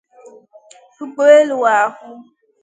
Ụgbọelu ahụ